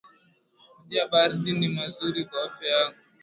Maji ya baridi ni mazuri kwa afya yako